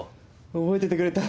覚えててくれた？